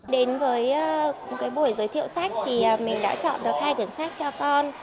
đến với buổi giới thiệu sách thì mình đã chọn được hai quyển sách cho con